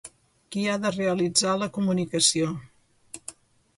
Qui ha de realitzar la comunicació.